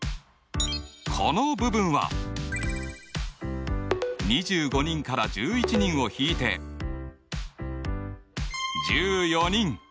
この部分は２５人から１１人を引いて１４人。